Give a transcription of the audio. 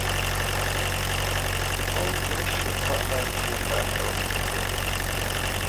Ó ŋgyə̂ shə̂ páʼ lâ njyə́ mbândɔ̂ pə́pɛ̂.